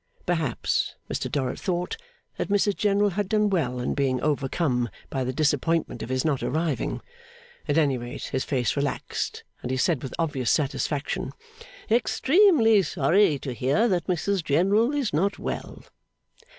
Perhaps Mr Dorrit thought that Mrs General had done well in being overcome by the disappointment of his not arriving. At any rate, his face relaxed, and he said with obvious satisfaction, 'Extremely sorry to hear that Mrs General is not well.